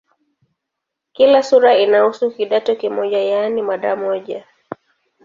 Kila sura inahusu "kidato" kimoja, yaani mada moja.